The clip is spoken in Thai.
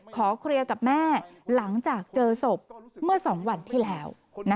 ขอเคลียร์กับแม่หลังจากเจอศพเมื่อ๒วันที่แล้ว